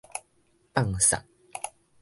放捒